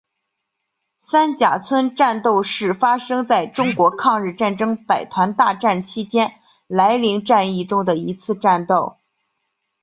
三甲村战斗是发生在中国抗日战争百团大战期间涞灵战役中的一次战斗。